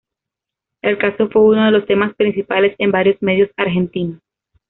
El caso fue uno de los temas principales en varios medios argentinos.